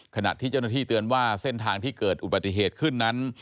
ขณะที่เจ้าหน้าที่เตือนว่าเส้นทางที่เกิดอุบัติเหตุขึ้นนั้น